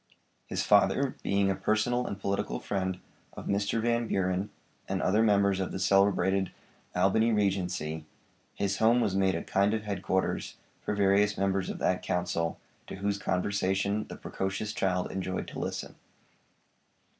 His father, being a personal and political friend of Mr. Van Buren and other members of the celebrated 'Albany Regency'; his home was made a kind of headquarters for various members of that council to whose conversation the precocious child enjoyed to listen.